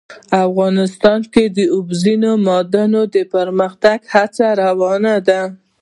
افغانستان کې د اوبزین معدنونه د پرمختګ هڅې روانې دي.